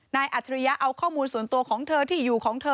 อัจฉริยะเอาข้อมูลส่วนตัวของเธอที่อยู่ของเธอ